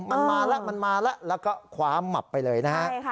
มันมาแล้วมันมาแล้วแล้วก็คว้าหมับไปเลยนะฮะ